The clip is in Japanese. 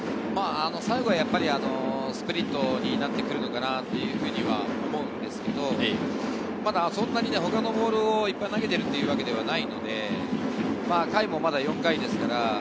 最後はやっぱりスプリットになってくるのかなと思うんですけれど、まだそんなに他のボールをいっぱい投げているわけではないので、まだ４回ですから。